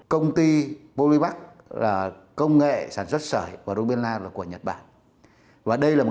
công ty polimax là công nghệ sản xuất sởi và lobella của nhật bản và đây là